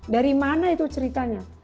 dari mana itu ceritanya